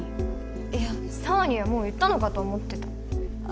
いや紗羽にはもう言ったのかと思ったあ